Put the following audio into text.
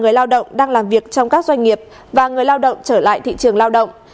người lao động đang làm việc trong các doanh nghiệp và người lao động trở lại thị trường lao động